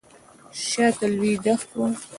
شاته لوی دښت و.